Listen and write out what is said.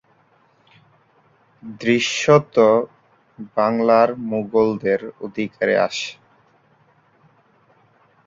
দৃশ্যত বাংলা মুগলদের অধিকারে আসে।